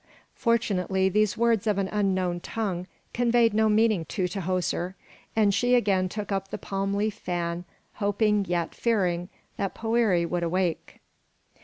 Fortunately these words of an unknown tongue conveyed no meaning to Tahoser, and she again took up the palm leaf fan, hoping yet fearing that Poëri would awake.